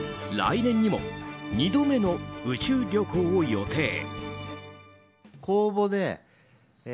来年にも２度目の宇宙旅行を予定。